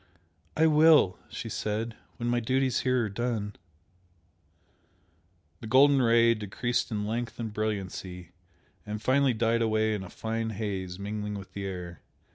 "I will!" she said "When my duties here are done." The golden Ray decreased in length and brilliancy, and finally died away in a fine haze mingling with the air.